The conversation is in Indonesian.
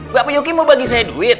bapak yuki mau bagi saya duit